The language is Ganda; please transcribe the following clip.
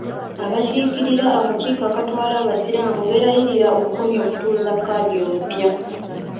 Abakiikirira akakiiko akatwala abasiraamu beerayirira okukomya okutuuza khadi omupya.